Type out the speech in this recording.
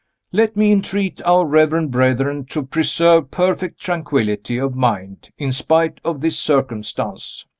Let me entreat our reverend brethren to preserve perfect tranquillity of mind, in spite of this circumstance.